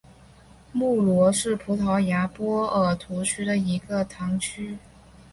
穆罗是葡萄牙波尔图区的一个堂区。